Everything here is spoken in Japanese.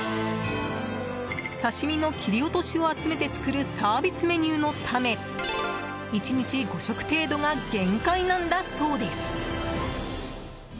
刺し身の切り落としを集めて作るサービスメニューのため１日５食程度が限界なんだそうです。